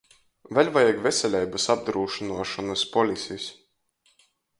Vēļ vajag veseleibys apdrūsynuošonys polisis.